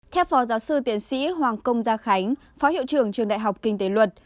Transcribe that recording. theo phó giáo sư tiến sĩ hoàng công gia khánh phó hiệu trưởng trường đại học kinh tế luật